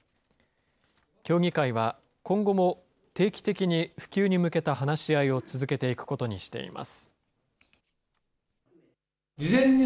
協議会は今後も定期的に普及に向けた話し合いを続けていくことにしています。